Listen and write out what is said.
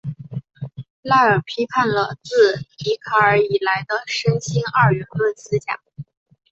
赖尔批判了自笛卡尔以来的身心二元论思想。